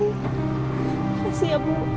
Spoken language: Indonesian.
terima kasih ibu